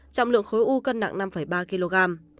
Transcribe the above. trọng lượng khối u cân nặng năm ba kg